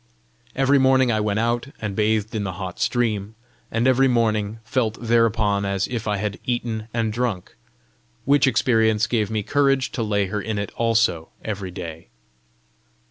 Every morning I went out and bathed in the hot stream, and every morning felt thereupon as if I had eaten and drunk which experience gave me courage to lay her in it also every day.